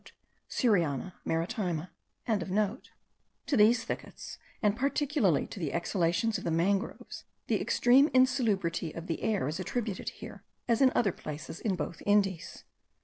*(* Suriana maritima.) To these thickets, and particularly to the exhalations of the mangroves, the extreme insalubrity of the air is attributed here, as in other places in both Indies.